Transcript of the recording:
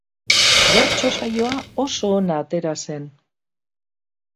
Bertso saioa oso ona atera zen.